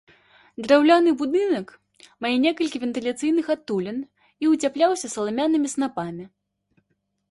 Драўляны будынак мае некалькі вентыляцыйных адтулін і ўцяпляўся саламянымі снапамі.